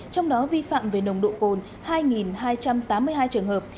trong đó vi phạm về nồng độ cồn hai hai trăm tám mươi hai trường hợp